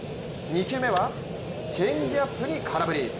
２球目はチェンジアップに空振り。